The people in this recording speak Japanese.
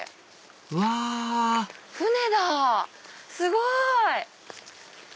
うわ船だすごい。